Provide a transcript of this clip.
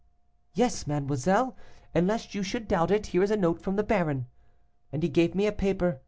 'Yes, mademoiselle, and lest you should doubt it, here is a note from the baron,' and he gave me a paper.